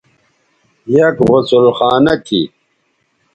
یک غسل خانہ تھی